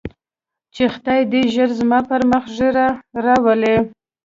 چې خداى دې ژر زما پر مخ ږيره راولي.